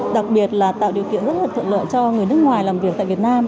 đặc biệt là tạo điều kiện rất là thuận lợi cho người nước ngoài làm việc tại việt nam